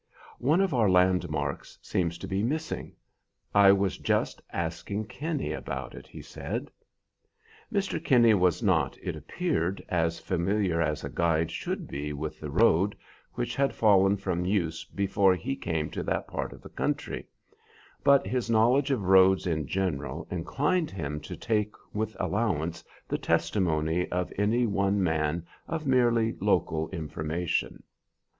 "One of our landmarks seems to be missing. I was just asking Kinney about it," he said. Mr. Kinney was not, it appeared, as familiar as a guide should be with the road, which had fallen from use before he came to that part of the country; but his knowledge of roads in general inclined him to take with allowance the testimony of any one man of merely local information.